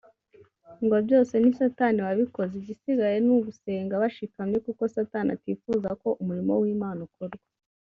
ngo byose ni satani wabikoze igisigaye ngo ni ugusenga bashikamye kuko satani atifuza ko umurimo w’Imana ukorwa